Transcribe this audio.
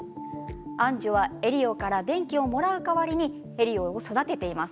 アンジュは電気をもらう代わりにエリオを育てています。